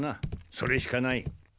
それしかない。